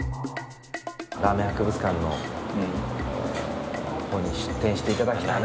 ラーメン博物館のほうに出店していただきたいと。